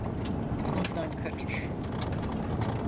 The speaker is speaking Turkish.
Bundan kaçış yok.